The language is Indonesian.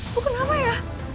bu kenapa ya